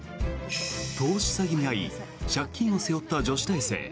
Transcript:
投資詐欺に遭い借金を背負った女子大生。